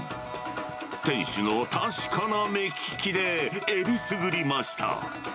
店主の確かな目利きでえりすぐりました。